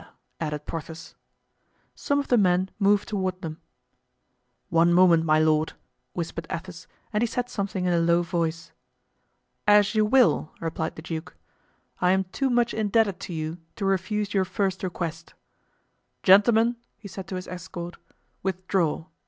added Porthos. Some of the men moved toward them. "One moment, my lord," whispered Athos, and he said something in a low voice. "As you will," replied the duke. "I am too much indebted to you to refuse your first request. Gentlemen," he said to his escort, "withdraw.